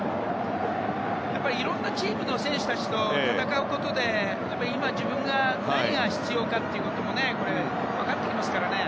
やっぱりいろんなチームの選手たちと戦うことで今、自分に何が必要かも分かってきますからね。